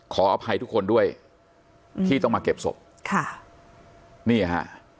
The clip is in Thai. ขออภัยทุกคนด้วยที่ต้องมาเก็บศพค่ะนี่ฮะ